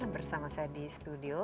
bersama saya di studio